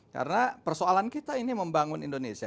karena persoalan kita ini membangun indonesia